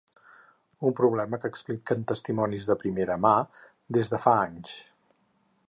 Un problema que expliquen testimonis de primera mà, des de fa anys.